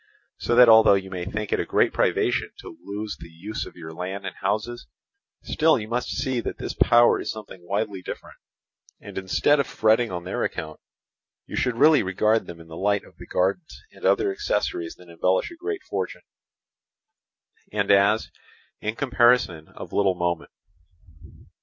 So that although you may think it a great privation to lose the use of your land and houses, still you must see that this power is something widely different; and instead of fretting on their account, you should really regard them in the light of the gardens and other accessories that embellish a great fortune, and as, in comparison, of little moment.